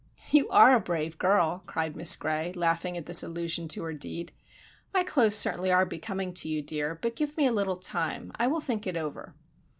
"You are a brave girl!" cried Miss Gray, laughing at this allusion to her deed. "My clothes certainly are becoming to you, dear, but give me a little time. I will think it over."